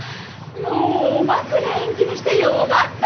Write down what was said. もうお祭り延期にしてよがったわ。